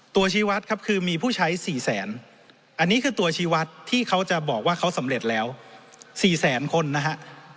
ชีวัตรครับคือมีผู้ใช้๔แสนอันนี้คือตัวชีวัตรที่เขาจะบอกว่าเขาสำเร็จแล้ว๔แสนคนนะฮะ